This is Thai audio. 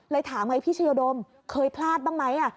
ถามไงพี่ชายดมเคยพลาดบ้างไหม